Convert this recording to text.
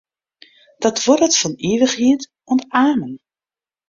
Dat duorret fan ivichheid oant amen.